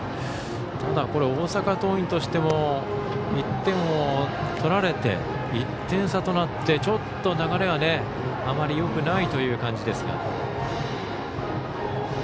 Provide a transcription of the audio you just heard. ただ、これは大阪桐蔭としても１点を取られて１点差となってちょっと流れはあまりよくないという感じですが。